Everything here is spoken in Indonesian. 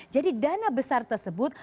jadi dana besar tersebut